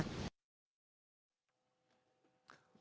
ด้านคำถามสพบางปาดบสพบททศบปอศสศทครับ